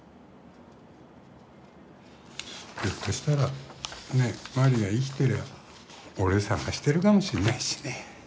ひょっとしたらマリが生きてりゃ俺探してるかもしんないしね。